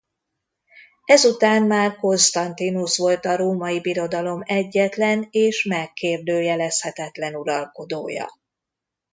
Ezután már Constantinus volt a Római Birodalom egyetlen és megkérdőjelezhetetlen uralkodója.